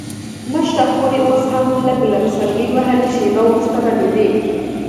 مشره خور یې اوس هم لږ لږ سلګۍ وهلې، شېبه وروسته به د دې.